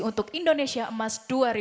untuk indonesia emas dua ribu empat puluh lima